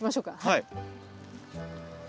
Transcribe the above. はい。